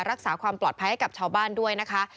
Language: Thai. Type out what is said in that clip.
รักษาความปลอดภัยให้กับชาวบ้านด้วยนะคะ